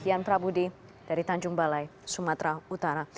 kian prabudi dari tanjung balai sumatera utara